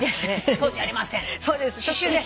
そうじゃありません。